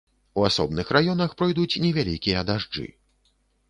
У асобных раёнах пройдуць невялікія дажджы.